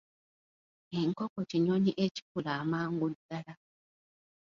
Enkoko kinyonyi ekikula amangu ddala.